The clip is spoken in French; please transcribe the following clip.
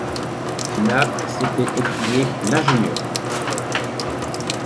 Nab s’était écrié l’ingénieur